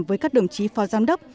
với các đồng chí phó giám đốc